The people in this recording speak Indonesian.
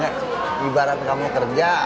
ini ibarat kamu kerja